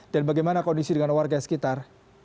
dan bagaimana kondisi dengan warga sekitar